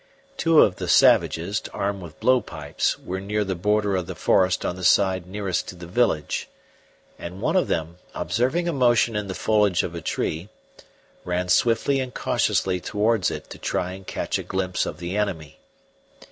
Two of the savages, armed with blow pipes, were near the border of the forest on the side nearest to the village, and one of them, observing a motion in the foliage of a tree, ran swiftly and cautiously towards it to try and catch a glimpse of the enemy.